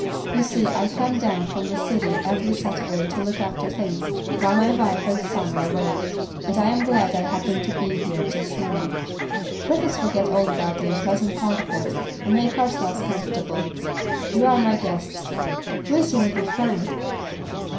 You see, I come down from the city every Saturday to look after things while my wife and son are away, and I am glad I happened to be here just now. Let us forget all about the unpleasant part of this, and make ourselves comfortable. You are my guests. Who is your little friend?"